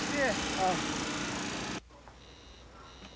ああ。